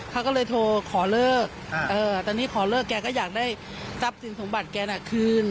เขาก็เลยโทรขอเลิกตอนนี้ขอเลิกแกก็อยากได้ทรัพย์สินสมบัติแกน่ะคืน